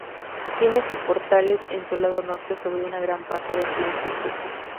Tiene soportales en su lado norte sobre una gran parte de su longitud.